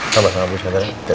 sama sama bu sandra